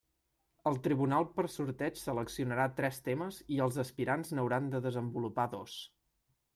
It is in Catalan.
El Tribunal per sorteig seleccionarà tres temes i els aspirants n'hauran de desenvolupar dos.